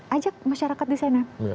ajak masyarakat di sana